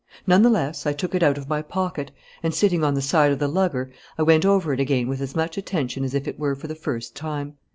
None the less I took it out of my pocket, and, sitting on the side of the lugger, I went over it again with as much attention as if it were for the first time.